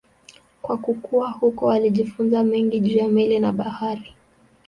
Kwa kukua huko alijifunza mengi juu ya meli na bahari.